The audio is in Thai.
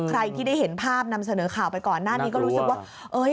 ใครที่ได้เห็นภาพนำเสนอข่าวไปก่อนหน้านี้ก็รู้สึกว่า